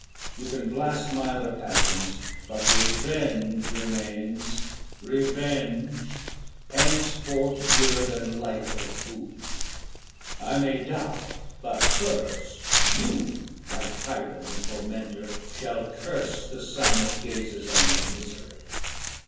You can blast my other passions; but revenge remains revenge, henceforth dearer than light or food! I may die; but first you, my tyrant and tormentor, shall curse the sun that gazes on your misery.